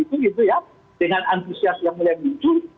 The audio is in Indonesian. itu sosialisasi sendiri